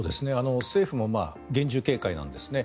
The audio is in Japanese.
政府も厳重警戒なんですね。